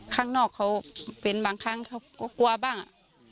ข้างนอกเปลี่ยนบางครั้งก็กลัวบ้าง